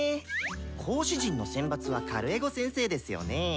講師陣の選抜はカルエゴ先生ですよね？